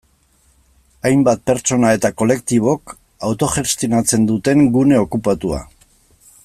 Hainbat pertsona eta kolektibok autogestionatzen duten gune okupatua.